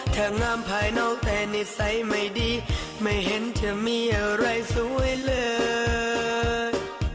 ถ้างามภายนอกแต่นิสัยไม่ดีไม่เห็นจะมีอะไรสวยเลย